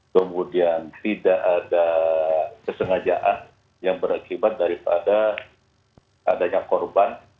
kemudian tidak ada kesengajaan yang berakibat daripada adanya korban